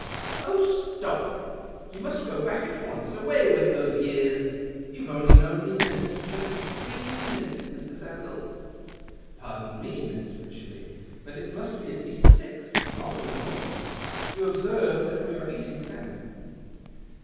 " Oh, stop ! you must go back at once. Away with those years ! You've only known me minutes, just three minutes, Mr. Sandell." " Pardon me. Miss Wycherley, but it must be at least six — probably more. You observe that we are eating salmon."